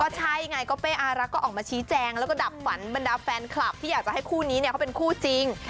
ใช่ไงก็เป้อารักก็ออกมาชี้แจงแล้วก็ดับฝันบรรดาแฟนคลับที่อยากจะให้คู่นี้เนี่ยเขาเป็นคู่จริง